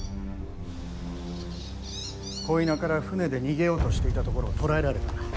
鯉名から舟で逃げようとしていたところを捕らえられた。